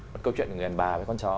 một câu chuyện người đàn bà với con chó